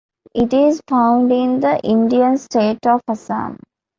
It is found in the Indian state of Assam.